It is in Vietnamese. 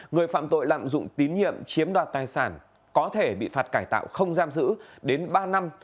người phạm tội lạm dụng tín nhiệm chiếm đoạt tài sản có thể bị phạt cải tạo không giam giữ đến ba năm